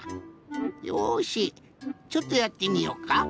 よしちょっとやってみようか。